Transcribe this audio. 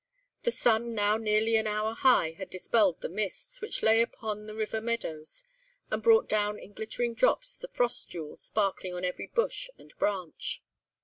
The sun now nearly an hour high had dispelled the mists, which lay upon the river meadows, and brought down in glittering drops the frost jewels sparkling on every bush and branch.